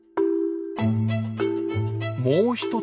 もう一つ